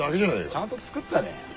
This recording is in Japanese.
ちゃんと作ったで。